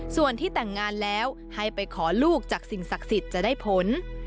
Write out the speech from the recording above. ส่วนที่แต่งงานแล้วให้ไปขอลูกจากสิ่งศักดิ์สิทธิ์จะได้ผล